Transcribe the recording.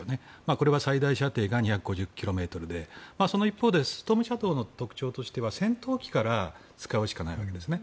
これは最大射程が２５０ｋｍでその一方でストームシャドーの特徴としては戦闘機から使うしかないわけですね。